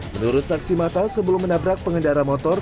menurut saksi mata sebelum menabrak pengendara motor